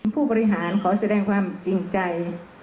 ผู้บริหารขอแสดงความจริงใจ